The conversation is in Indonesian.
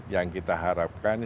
yang kita harapkan